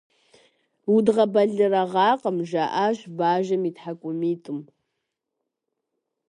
Удгъэбэлэрыгъакъым, - жаӏащ бажэм и тхьэкӏумитӏым.